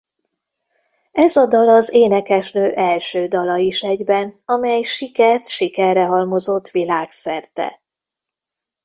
Ez a dal az énekesnő első dala is egyben amely sikert sikerre halmozott világszerte.